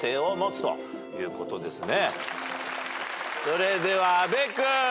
それでは阿部君。